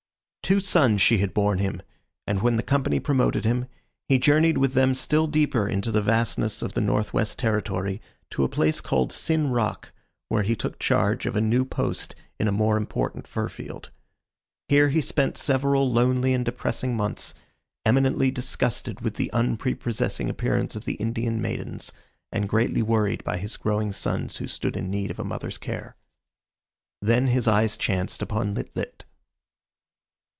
Two sons she had borne him, and when the Company promoted him, he journeyed with them still deeper into the vastness of the North West Territory to a place called Sin Rock, where he took charge of a new post in a more important fur field. Here he spent several lonely and depressing months, eminently disgusted with the unprepossessing appearance of the Indian maidens, and greatly worried by his growing sons who stood in need of a mother's care. Then his eyes chanced upon Lit lit.